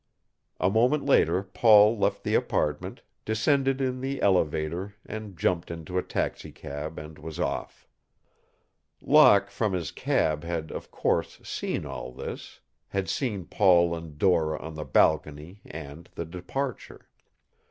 A moment later Paul left the apartment, descended in the elevator, and jumped into a taxicab and was off. Locke from his cab had, of course, seen all this, had seen Paul and Dora on the balcony and the departure.